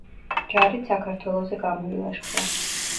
ჯარით საქართველოზე გამოილაშქრა.